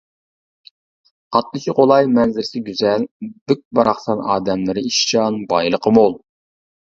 قاتنىشى قولاي، مەنزىرىسى گۈزەل، بۈك-باراقسان، ئادەملىرى ئىشچان، بايلىقى مول.